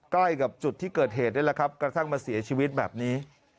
ใกล้กับจุดที่เกิดเหตุนี่แหละครับกระทั่งมาเสียชีวิตแบบนี้